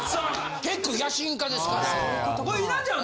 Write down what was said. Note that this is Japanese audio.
結構野心家ですからね。